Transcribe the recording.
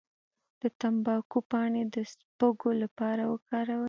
د تمباکو پاڼې د سپږو لپاره وکاروئ